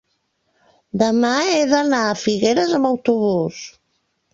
demà he d'anar a Figueres amb autobús.